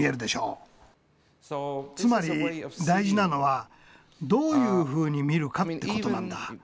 つまり大事なのはどういうふうに見るかってことなんだ。